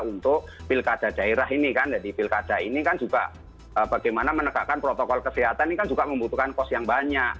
untuk pilkada daerah ini kan jadi pilkada ini kan juga bagaimana menegakkan protokol kesehatan ini kan juga membutuhkan kos yang banyak